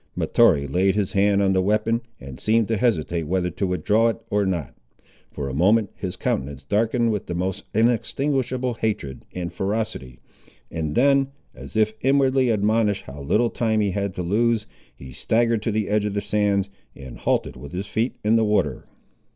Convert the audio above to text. Mahtoree laid his hand on the weapon, and seemed to hesitate whether to withdraw it or not. For a moment his countenance darkened with the most inextinguishable hatred and ferocity, and then, as if inwardly admonished how little time he had to lose, he staggered to the edge of the sands, and halted with his feet in the water.